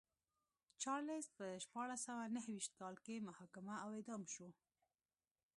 چارلېز په شپاړس سوه نه څلوېښت کال کې محاکمه او اعدام شو.